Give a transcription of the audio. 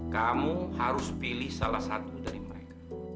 kamu harus pilih salah satu dari mereka